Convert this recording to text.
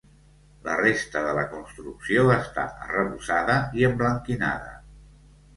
La resta de la construcció està arrebossada i emblanquinada.